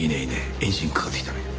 エンジンかかってきたな。